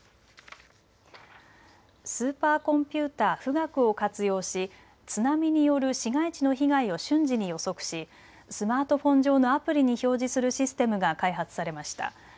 スーパーコンピューター富岳を活用し津波による市街地の被害を瞬時に予測しスマートフォン上のアプリに表示するシステムが開発されました。